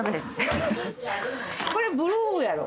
・これブルーやろ。